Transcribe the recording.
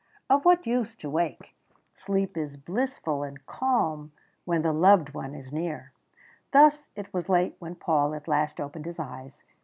Of what use to wake? Sleep is blissful and calm when the loved one is near. Thus it was late when Paul at last opened his eyes.